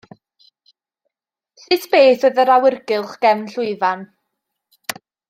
Sut beth oedd yr awyrgylch gefn llwyfan?